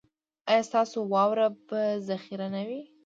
ایا ستاسو واوره به ذخیره نه وي؟